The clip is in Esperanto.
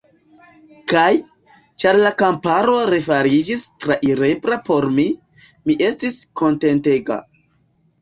Kaj, ĉar la kamparo refariĝis trairebla por mi, mi estis kontentega.